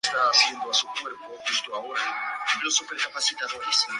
Además, Liszt, siguiendo su costumbre, indicó una digitación más bien extraña.